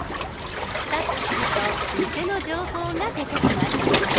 タッチすると店の情報が出てきます。